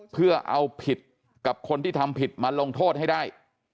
เพื่อเอาผิดกับคนที่ทำผิดมาลงโทษให้ได้